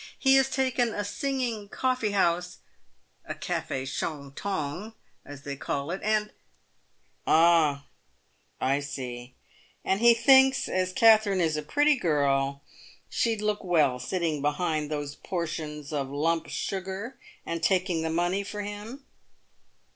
He has taken a singing coffee house — a cafe shontong, as they call it — and "" Ah, I see ; and he thinks, as Katherine is a pretty girl, she'd look well sitting behind those portions of lump sugar, and taking the money for him."